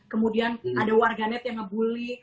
kemudian ada warganet yang ngebully